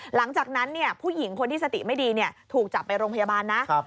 หลังจากนั้นผู้หญิงคนที่สติไม่ดีถูกจับไปโรงพยาบาลนะ